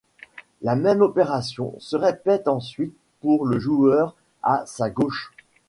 La même opération se répète ensuite pour le joueur à sa gauche.